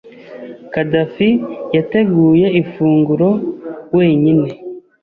Khadafi yateguye ifunguro wenyine.